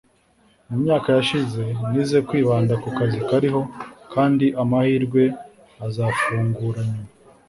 mu myaka yashize, nize, kwibanda ku kazi kariho, kandi amahirwe azafungura nyuma